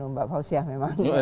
mbak fauzia memang